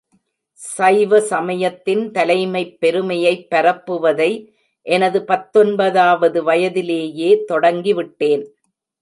சைவ சமயத்தின் தலைமைப் பெருமையைப் பரப்புவதை எனது பத்தொன்பதாவது வயதிலேயே தொடங்கிவிட்டேன்.